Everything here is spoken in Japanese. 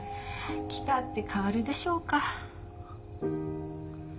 来たって変わるでしょうか。